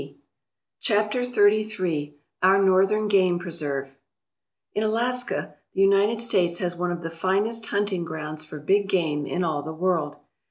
262 CHAPTER XXXIII OUR NORTHERN GAME PRESERVE r ALASKA the United States has one of the finest hunting grounds for big game in all the world.